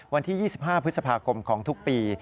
วันที่๒๕พฤษภาคมของทุกปี